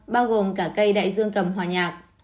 bao gồm cả cây đại dương cầm hòa nhạc